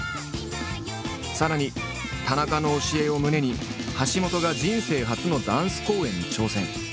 さらに田中の教えを胸に橋本が人生初のダンス公演に挑戦。